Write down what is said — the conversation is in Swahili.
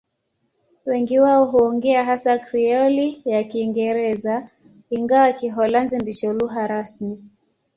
Wengi wao huongea hasa Krioli ya Kiingereza, ingawa Kiholanzi ndicho lugha rasmi.